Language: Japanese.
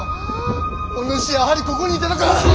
お主やはりここにいたのか！